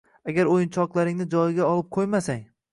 “Agar o‘yinchoqlaringni joyiga olib qo‘ymasang